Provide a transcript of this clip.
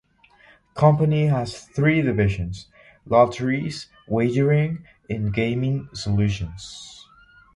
The company has three divisions: Lotteries, Wagering and Gaming Solutions.